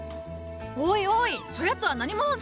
おいおいそやつは何者じゃ？